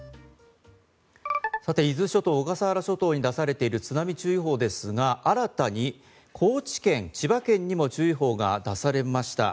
さて伊豆諸島、小笠原諸島に出されている津波注意報ですが、新たに高知県、千葉県にも注意報が出されました。